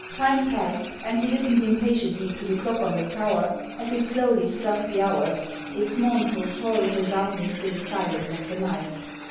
Time passed ; and he listened impatiently to the clock on the tower as it slowly struck the hours, its mournful toll resounding through the silence of the night.